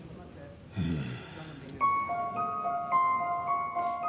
うん。